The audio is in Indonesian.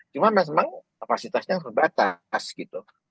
cuma memang kapasitasnya terbatas gitu